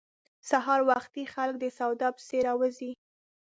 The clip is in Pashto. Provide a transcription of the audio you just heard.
سهار وختي خلک د سودا پسې راوزي.